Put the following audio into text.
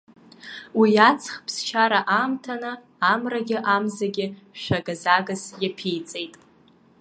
Уи аҵх ԥсшьара аамҭаны, амрагьы амзагьы шәага-загас иаԥиҵеит.